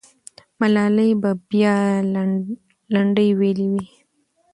ملالۍ به بیا لنډۍ ویلي وي.